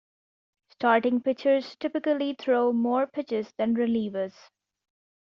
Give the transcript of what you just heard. Starting pitchers typically throw more pitches than relievers.